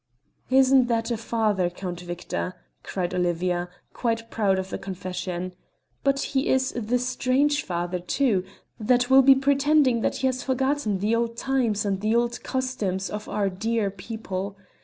"Isn't that a father, Count Victor?" cried Olivia, quite proud of the confession. "But he is the strange father, too, that will be pretending that he has forgotten the old times and the old customs of our dear people.